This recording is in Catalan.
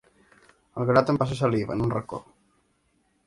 El Garota empassa saliva, en un racó.